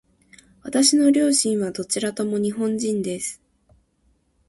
私の両親はどちらとも日本人です。